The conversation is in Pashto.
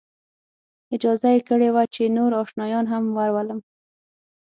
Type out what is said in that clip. اجازه یې کړې وه چې نور آشنایان هم ورولم.